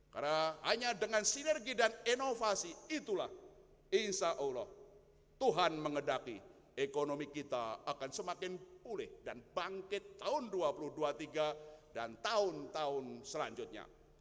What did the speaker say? karena hanya dengan sinergi dan inovasi itulah insya allah tuhan mengedaki ekonomi kita akan semakin pulih dan bangkit tahun dua ribu dua puluh tiga dan tahun tahun selanjutnya